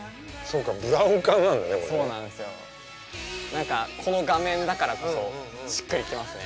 何かこの画面だからこそしっくり来ますね。